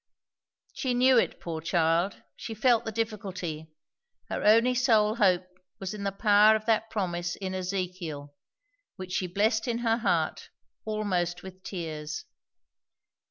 She knew it, poor child; she felt the difficulty; her only sole hope was in the power of that promise in Ezekiel, which she blessed in her heart, almost with tears.